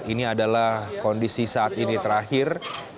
ini adalah kondisi saat ini terakhir